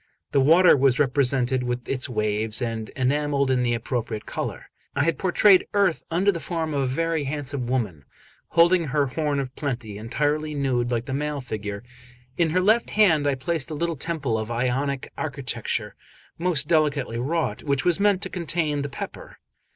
The water was represented with its waves, and enamelled in the appropriate colour. I had portrayed Earth under the form of a very handsome woman, holding her horn of plenty, entirely nude like the male figure; in her left hand I placed a little temple of Ionic architecture, most delicately wrought, which was meant to contain the pepper.